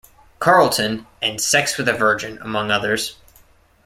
Carlton, and sex with a virgin, among others.